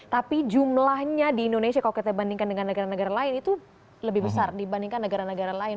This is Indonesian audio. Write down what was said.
tapi jumlahnya di indonesia kalau kita bandingkan dengan negara negara lain itu lebih besar dibandingkan negara negara lain